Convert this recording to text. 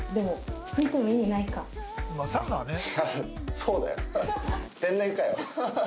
そうだよ。